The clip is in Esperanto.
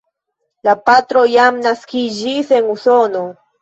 La patro jam naskiĝis en Usono.